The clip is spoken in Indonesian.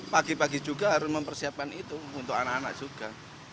pagi pagi juga harus mempersiapkan itu untuk anak anak juga